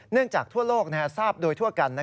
จากทั่วโลกทราบโดยทั่วกัน